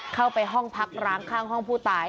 เข้าไปห้องพักร้างข้างห้องผู้ตาย